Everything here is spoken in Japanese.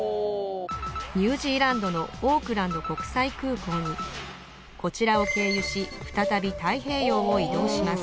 ニュージーランドのオークランド国際空港にこちらを経由し再び太平洋を移動します